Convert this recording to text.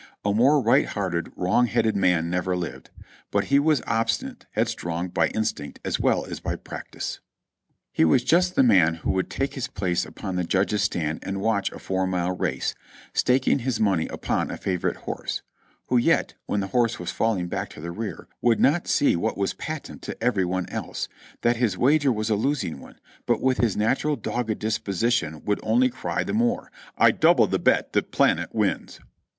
A more right hearted, wrong headed man never lived ; but he was obstinate, head strong by instinct as well as by practice. He was just the man who would take his place upon the judge's stand and watch a four mile race, staking his money upon a favorite horse, who yet, when the horse was falling back to the rear, would not see what was patent to every one else: that his wager was a losing one, but with his natural, dogged disposition would only cry the more : "I double the bet that Planet wins!"